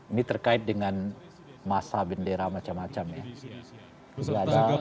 ini terkait dengan masa bendera macam macam ya